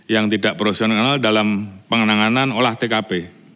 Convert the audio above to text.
yang tidak profesional dalam penanganan olah tkp